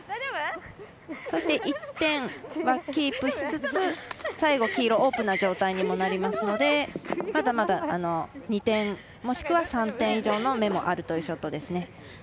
そして、１点はキープしつつ最後、黄色オープンな状態にもなりますのでまだまだ２点、もしくは３点以上の目もあるというショットですね。